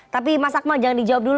tapi mas akmal jangan dijawab dulu